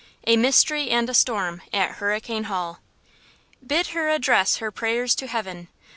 A MYSTERY AND A STORM AT HURRICANE HALL. Bid her address her prayers to Heaven!